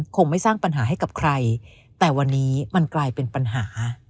คงไม่สร้างปัญหาให้กับใครแต่วันนี้มันกลายเป็นปัญหา